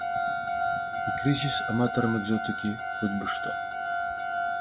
І крызіс аматарам экзотыкі хоць бы што.